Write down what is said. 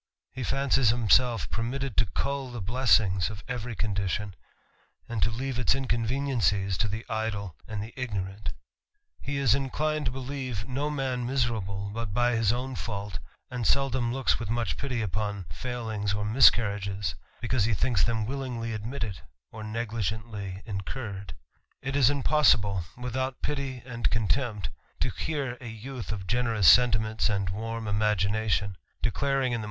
He fancies himself permitted I the blessings of every condition, and to leave its niiencies to the idle and the ignorant He {3 n ~, 194 THE RAMBLER. inclined to believe no m^ miserable but by his own fault, and seldom looks with much pity upon failings or mis carriages, because he thinks them willingly admitted, or negligently incurred. lL.is impossible, withoutpii^ And. CQJltempt,. to.hfiaui youth of generous sentiments and warm imaginatio: declaring in the.